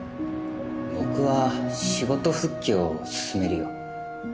僕は仕事復帰を勧めるよ